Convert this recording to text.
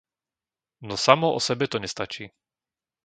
No samo osebe to nestačí.